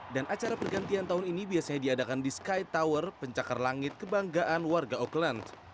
dan acara pergantian tahun ini biasanya diadakan di sky tower pencakar langit kebanggaan warga auckland